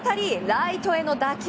ライトへの打球。